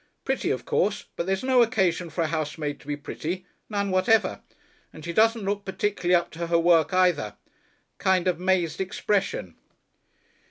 Pretty, of course, but there's no occasion for a housemaid to be pretty none whatever. And she doesn't look particularly up to her work either. Kind of 'mazed expression."